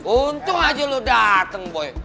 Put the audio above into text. untung aja lu datang boy